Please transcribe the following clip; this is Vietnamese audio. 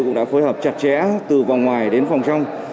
cũng đã phối hợp chặt chẽ từ vòng ngoài đến phòng trong